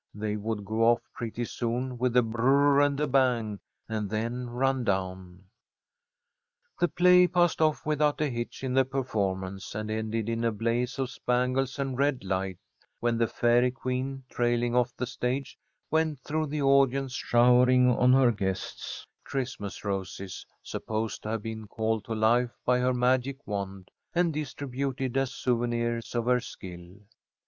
They would go off pretty soon with a br r r and a bang, and then run down. The play passed off without a hitch in the performance, and ended in a blaze of spangles and red light, when the fairy queen, trailing off the stage, went through the audience showering on her guests Christmas roses, supposed to have been called to life by her magic wand, and distributed as souvenirs of her skill.